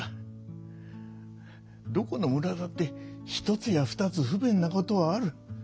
どこの村だってひとつやふたつ不便なことはある。